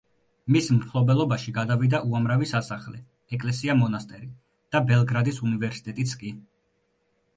მის მფლობელობაში გადავიდა უამრავი სასახლე, ეკლესია-მონასტერი და ბელგრადის უნივერსიტეტიც კი.